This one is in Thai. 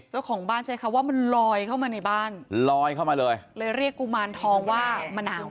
เจ้าของบ้านใช้คำว่ามันลอยเข้ามาในบ้านลอยเข้ามาเลยเลยเรียกกุมารทองว่ามะนาว